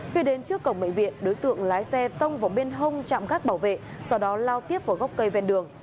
khi đến trước cổng bệnh viện đối tượng lái xe tông vào bên hông chạm gác bảo vệ sau đó lao tiếp vào gốc cây ven đường